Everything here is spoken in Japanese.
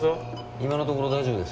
今のところ大丈夫です。